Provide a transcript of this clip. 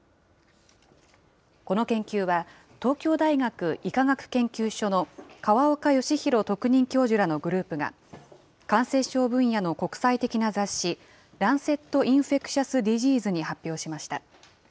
この研究は、東京大学医科学研究所の河岡義裕特任教授らのグループが、感染症分野の国際的な雑誌、ランセット・インフェクシャス・ディジーズに発表しました。